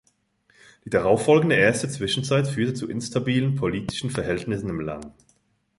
Die darauffolgende Erste Zwischenzeit führte zu instabilen politischen Verhältnissen im Land.